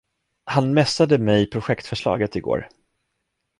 Han messade mig projektförslaget igår.